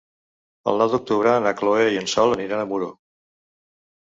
El nou d'octubre na Chloé i en Sol aniran a Muro.